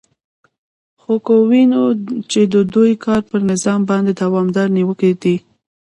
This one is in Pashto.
خو که ووینو چې د دوی کار پر نظام باندې دوامدارې نیوکې دي